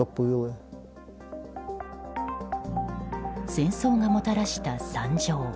戦争がもたらした惨状。